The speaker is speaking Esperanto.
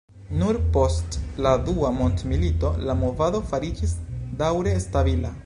Nur post la dua mondmilito la movado fariĝis daŭre stabila.